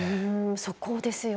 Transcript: そこですよね。